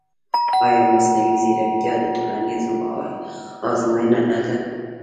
ایا مصنوعي ځیرکتیا د ټولنیز باور ازموینه نه ده؟